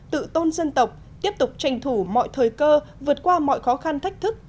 tự tôn dân tộc tiếp tục tranh thủ mọi thời cơ vượt qua mọi khó khăn thách thức